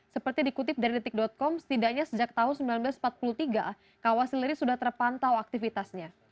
seperti dikutip dari detik com setidaknya sejak tahun seribu sembilan ratus empat puluh tiga kawah sileri sudah terpantau aktivitasnya